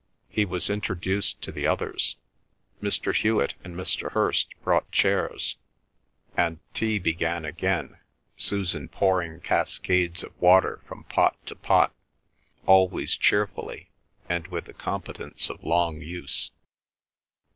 He was introduced to the others. Mr. Hewet and Mr. Hirst brought chairs, and tea began again, Susan pouring cascades of water from pot to pot, always cheerfully, and with the competence of long use.